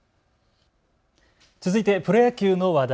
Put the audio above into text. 続いてプロ野球の話題。